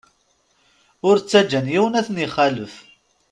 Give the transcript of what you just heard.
Ur ttaǧǧan yiwen ad ten-ixalef.